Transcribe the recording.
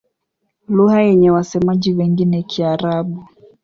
Lugha yenye wasemaji wengi ni Kiarabu.